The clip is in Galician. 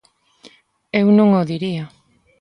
Eu non o diría.